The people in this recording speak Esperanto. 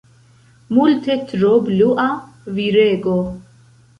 Multe tro blua, virego.